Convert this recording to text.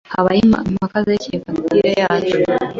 Habayeho impaka zerekeye fagitire yacu.